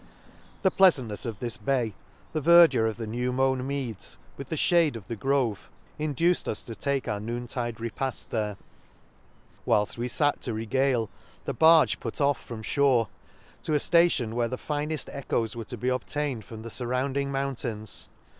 — The pleafantnefs of this bay, the ver dure of the new mown meads, with the fhade of the grove, induced us to take our noon tide repaft there. 1 2 — Whilft * Mafon's Garden. 68 An Excursion to — Whilfl we fat to regale, the barge put off from fliore, to a ftation where the iinefl echoes were to be obtained from the furrounding mountains.